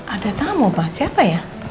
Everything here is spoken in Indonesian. ada tamu pak siapa ya